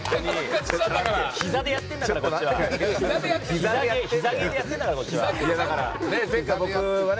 ひざでやってんだからこっちは。